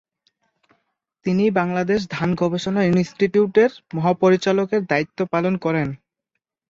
তিনি বাংলাদেশ ধান গবেষণা ইনস্টিটিউট এর মহাপরিচালক এর দায়িত্ব পালন করেন।